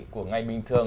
của ngày bình thường